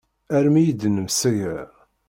Armi id-nemsegra.